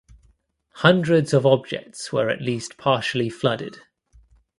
Hundreds of objects were at least partially flooded.